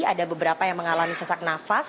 ada beberapa yang mengalami sesak nafas